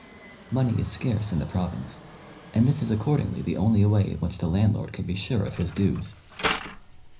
Money is scarce in the province, and this is accordingly the only way in which the landlord can be sure of his dues.